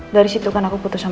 dari situ kan aku putus sama rom